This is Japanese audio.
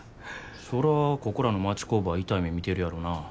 そらここらの町工場は痛い目見てるやろな。